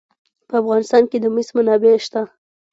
په افغانستان کې د مس منابع شته.